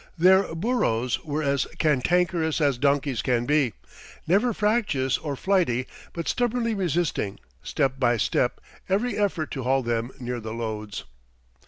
Their burros were as cantankerous as donkeys can be, never fractious or flighty, but stubbornly resisting, step by step, every effort to haul them near the loads.